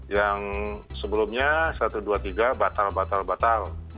yang sebelumnya satu dua tiga batal batal batal